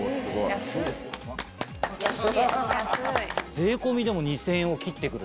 税込みでも２０００円を切ってくる。